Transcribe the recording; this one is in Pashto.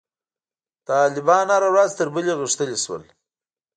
طالبان هره ورځ تر بلې غښتلي شول.